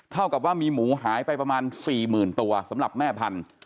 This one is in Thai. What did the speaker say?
เท่ากับว่ามีหมูหายไปประมาณ๔๐๐๐ตัวสำหรับแม่พันธุ